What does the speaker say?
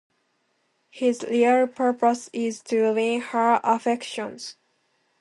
His real purpose is to win her affections.